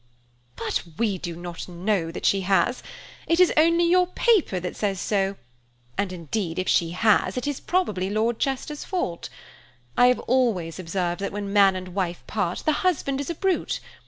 "But we do not know that she has, it is only your paper that says so; and, indeed, if she has, it is probably Lord Chester's fault. I have always observed that when man and wife part, the husband is a brute.